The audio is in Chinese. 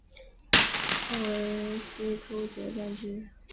后为西突厥占据。